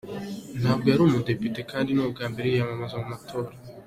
Ntabwo ari umudepite kandi ni ubwa mbere yiyamaza mu matora.